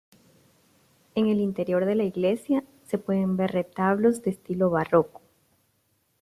En el interior de la iglesia se pueden ver retablos de estilo barroco.